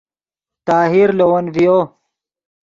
طاہر لے ون ڤیو